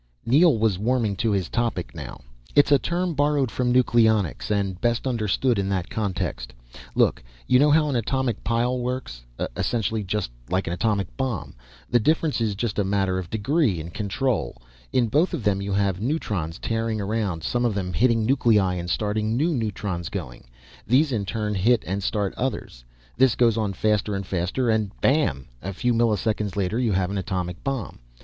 Neel was warming to his topic now. "It's a term borrowed from nucleonics, and best understood in that context. Look, you know how an atomic pile works essentially just like an atomic bomb. The difference is just a matter of degree and control. In both of them you have neutrons tearing around, some of them hitting nuclei and starting new neutrons going. These in turn hit and start others. This goes on faster and faster and bam, a few milliseconds later you have an atomic bomb.